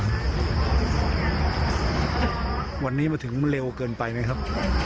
อันนี้วันนี้มาถึงเร็วเกินไปนะครับ